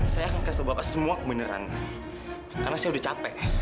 sampai jumpa di video selanjutnya